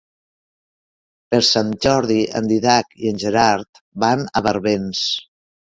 Per Sant Jordi en Dídac i en Gerard van a Barbens.